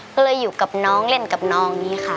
ก็เลยอยู่กับน้องเล่นกับน้องอย่างนี้ค่ะ